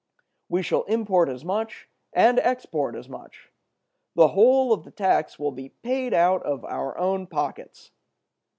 We shall import as much, and export as much; the whole of the tax will be paid out of our own pockets.